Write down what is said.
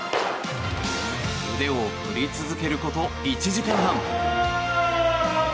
腕を振り続けること１時間半。